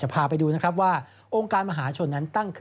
ซึ่งกลางปีนี้ผลการประเมินการทำงานขององค์การมหาชนปี๒ประสิทธิภาพสูงสุด